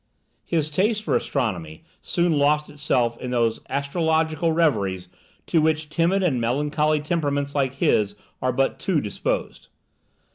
His taste for astronomy soon lost itself in those astrological reveries to which timid and melancholy temperaments like his are but too disposed.